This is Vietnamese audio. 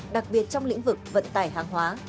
đặc biệt trong lĩnh vực vận tải hàng hóa